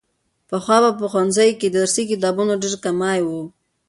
پخوا به په ښوونځیو کې د درسي کتابونو ډېر کمی و.